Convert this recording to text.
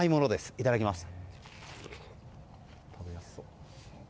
いただきます。